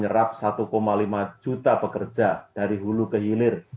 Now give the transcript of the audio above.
jadi kita dapat satu lima juta pekerja dari hulu ke hilir